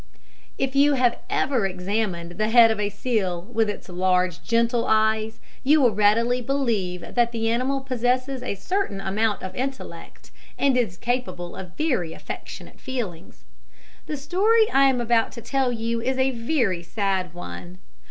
If you have ever examined the head of a seal, with its large gentle eyes, you will readily believe that the animal possesses a certain amount of intellect, and is capable of very affectionate feelings. The story I am about to tell you is a very sad one.